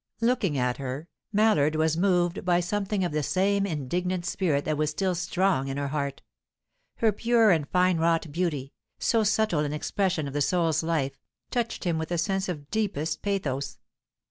Looking at her, Mallard was moved by something of the same indignant spirit that was still strong in her heart. Her pure and fine wrought beauty, so subtle in expression of the soul's life, touched him with a sense of deepest pathos.